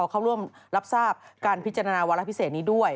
เข้าร่วมรับทราบการพิจารณาวาระพิเศษนี้ด้วย